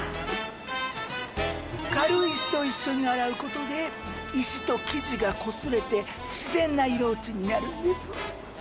軽石と一緒に洗うことで石と生地がこすれて自然な色落ちになるんです。